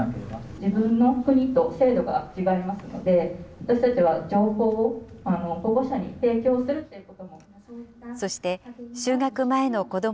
自分の国と制度が違いますので、私たちは情報を保護者に提供するということも。